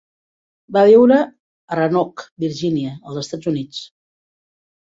Va viure a Roanoke (Virginia), als Estats Units.